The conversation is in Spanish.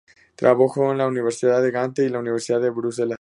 Trabajó en la Universidad de Gante y la Universidad de Bruselas.